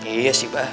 iya sih bah